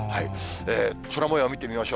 空もよう見てみましょう。